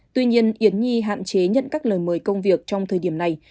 tuy nhiên yến nhi hạn chế nhận các lời mời công việc trong thời điểm này